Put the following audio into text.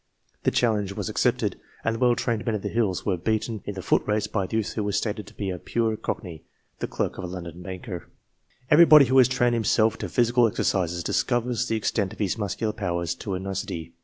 The challenge was accepted, and the well trained men of the hills were beaten in the foot race by a youth who was stated to be a pure Cockney, the clerk of a London banker. Everybody who has trained himself to physical exercises discovers the extent of his muscular powers to a nicety.